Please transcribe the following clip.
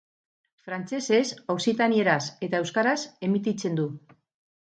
Frantsesez, okzitanieraz eta euskaraz emititzen du.